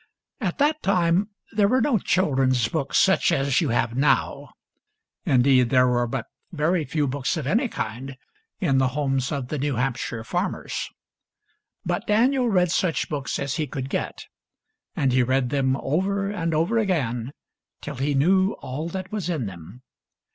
At that time there were no children's books such as you have now. Indeed, there were but very few books of any kind in the homes of the New Hamp shire farmers. But Daniel read such books as he could get ; and he read them over and over again till he knew all that was in them.